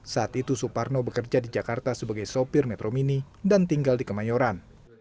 saat itu suparno bekerja di jakarta sebagai sopir metro mini dan tinggal di kemayoran